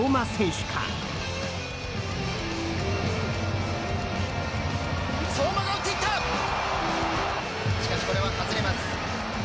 しかしこれは外れます。